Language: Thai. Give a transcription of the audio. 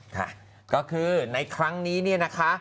ค่ะก็คือในครั้งนี้เนี่ยนะคะ